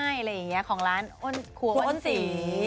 อะไรอย่างเงี้ยของร้านครัวอ้นศรี